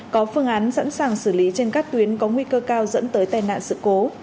có phương án sẵn sàng xử lý trên các tuyến có nguy cơ cao dẫn tới tai nạn sự cố